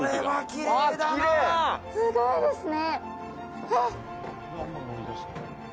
すごいですね。